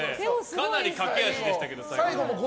かなり駆け足でしたけど最後のほう。